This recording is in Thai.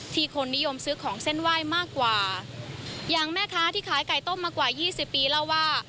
คนนิยมซื้อของเส้นไหว้มากกว่าอย่างแม่ค้าที่ขายไก่ต้มมากว่ายี่สิบปีเล่าว่า